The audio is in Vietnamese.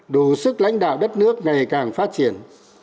đủ sức lãnh đạo đất nước ngày càng phát triển